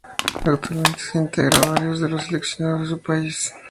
Actualmente integra varios de los seleccionados de su país.